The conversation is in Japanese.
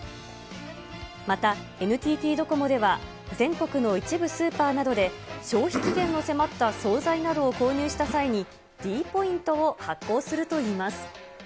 またＮＴＴドコモでは、全国の一部スーパーなどで、消費期限の迫った総菜などを購入した際に、ｄポイントを発行するといいます。